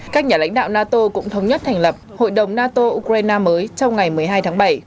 các nhà lãnh đạo nato cũng thống nhất thành lập hội đồng nato ukraine mới trong ngày một mươi hai tháng bảy